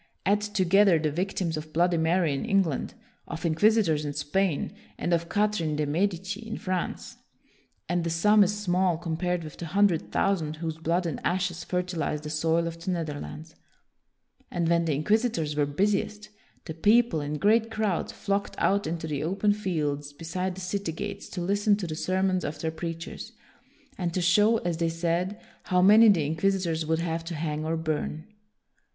Add together the victims of Bloody Mary in England, of inquisitors in Spain, and of Catherine de' Medici in France, and the sum is small compared with the hundred thousand whose blood and ashes fertilized the soil of the Neth erlands. And when the inquisitors were busiest, the people, in great crowds, flocked out into the open fields beside the city gates to listen to the sermons of their preachers, and to show, as they said, how many the inquisitors would have to hang or burn.